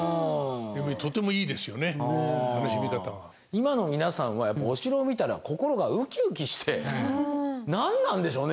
今の皆さんはやっぱお城を見たら心がウキウキして何なんでしょうね